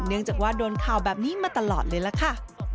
เนื่องจากว่าโดนข่าวแบบนี้มาตลอดเลยล่ะค่ะ